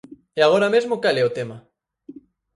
¿E agora mesmo cal é o tema?